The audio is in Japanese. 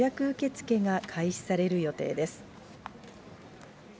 受け付けが開始される予定です。